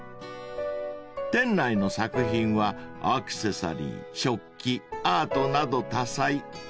［店内の作品はアクセサリー食器アートなど多彩］